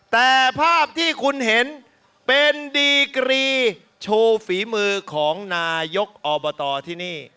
แต่ภาพที่คุณเห็นเป็นดีกรีโชว์ฝีมือของนายกอบตที่นี่